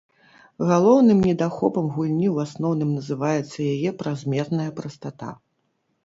Галоўным недахопам гульні ў асноўным называецца яе празмерная прастата.